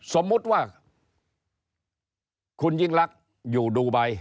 สมมุติว่าคุณยิ่งลักษณ์อยู่ดูไบ